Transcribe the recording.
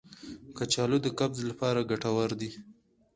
کچالو د قبض لپاره ګټور دی.